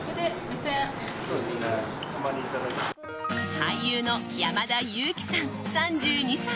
俳優の山田裕貴さん、３２歳。